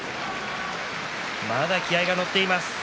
まだ気合いが乗っています。